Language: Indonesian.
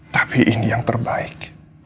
tapi ini yang terbaik